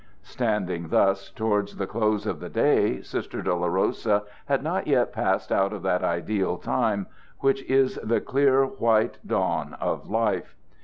Standing thus towards the close of the day, Sister Dolorosa had not yet passed out of that ideal time which is the clear white dawn of life.